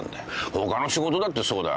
他の仕事だってそうだ。